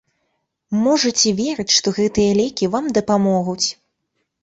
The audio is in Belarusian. Можаце верыць, што гэтыя лекі вам дапамогуць.